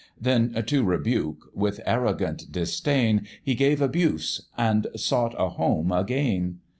Then to rebuke with arrogant disdain, He gave abuse, and sought a home again.